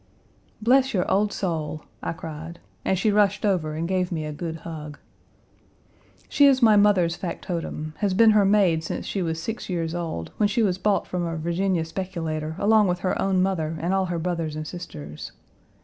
"Bless your old soul," I cried, and she rushed over and gave me a good hug. She is my mother's factotum; has been her maid since she was six years old, when she was bought from a Virginia speculator along with her own mother and all her brothers and sisters.